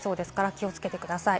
気をつけてください。